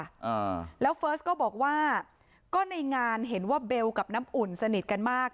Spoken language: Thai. อ่าแล้วเฟิร์สก็บอกว่าก็ในงานเห็นว่าเบลกับน้ำอุ่นสนิทกันมาก